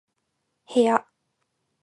部屋